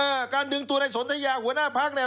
เออการดึงตัวในศนตยาหัวหน้าภักดิ์